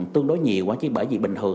tương đối nhiều quá chứ bởi vì bình thường